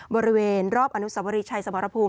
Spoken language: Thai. บริเวณรอบอนุสวรีชัยสมรภูมิ